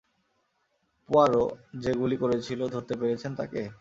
Poirot, যে গুলি করেছিল ধরতে পেরেছেন তাকে?